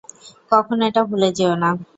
কখনও এটা ভুলে যেয়ো না।